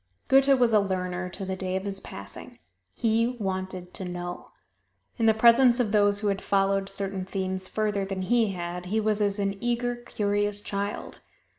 Goethe was a learner to the day of his passing: he wanted to know. In the presence of those who had followed certain themes further than he had, he was as an eager, curious child.